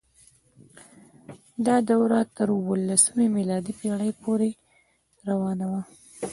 دا دوره تر اوولسمې میلادي پیړۍ پورې روانه وه.